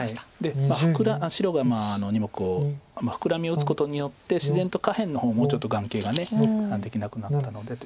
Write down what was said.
白が２目をフクラミを打つことによって自然と下辺の方もちょっと眼形ができなくなったのでと。